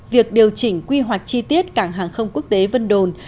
việc điều chỉnh quy hoạch chi tiết cảng hàng không quốc tế vân đồn